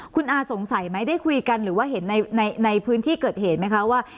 คุณอาสงสัยไหมได้คุยกันหรือว่าเห็นในพื้นที่เกิดเหตุไหมคะว่า